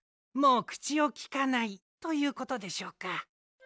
もうくちをきかない！ということでしょうか。